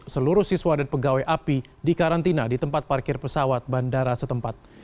seluruh siswa dan pegawai api dikarantina di tempat parkir pesawat bandara setempat